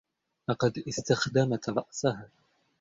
لقد إستخدمت رأسها.